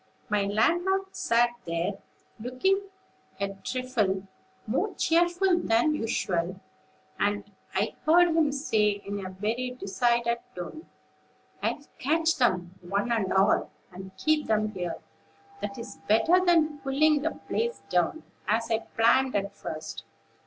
My landlord sat there, looking a trifle more cheerful than usual, and I heard him say, in a very decided tone: "'I'll catch them, one and all, and keep them here; that is better than pulling the place down, as I planned at first.